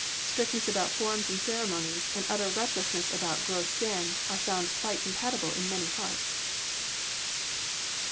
Strictness about forms and ceremo nies, and utter recklessness about gross sin, are found quite compatible in many hearts.